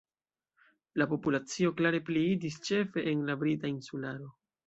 La populacio klare pliiĝis ĉefe en la Brita Insularo.